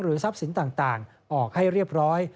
ทรัพย์สินต่างออกให้เรียบร้อย